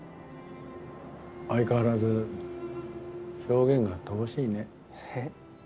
相変わらず表現が乏しいね。え？